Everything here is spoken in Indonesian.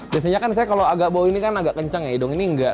biasanya kalau bau ini agak kencang hidung ini nggak